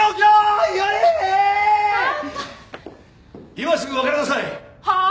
今すぐ別れなさい！はあ！？